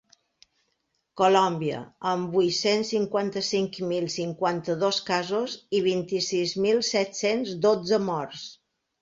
Colòmbia, amb vuit-cents cinquanta-cinc mil cinquanta-dos casos i vint-i-sis mil set-cents dotze morts.